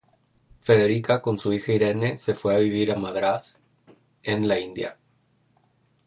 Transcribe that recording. Federica, con su hija Irene, se fue a vivir a Madrás, en La India.